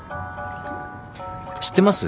知ってます？